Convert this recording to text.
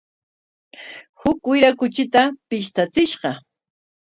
Huk wira kuchita pishtachishqa.